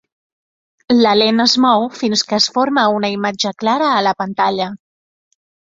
La lent es mou fins que es forma una imatge clara a la pantalla.